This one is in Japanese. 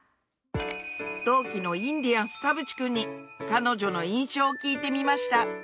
同期のインディアンス田渕君に彼女の印象を聞いてみました